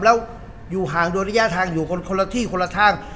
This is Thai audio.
แล้วอยู่ห่างโดยระยะทางอยู่คนละที่คนละทาง